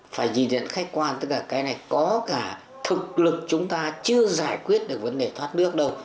phải nhìn nhận khách quan tất cả cái này có cả thực lực chúng ta chưa giải quyết được vấn đề thoát nước đâu